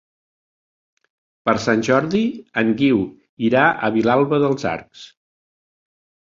Per Sant Jordi en Guiu irà a Vilalba dels Arcs.